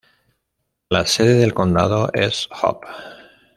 La sede del condado es Hope.